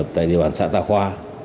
tại địa bàn xã tà khoa